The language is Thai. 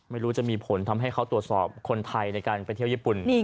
ไม่รู้จะมีผลทำให้เขาตรวจสอบคนไทยในการไปเที่ยวญี่ปุ่น